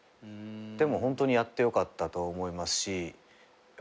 でもホントにやってよかったと思いますし。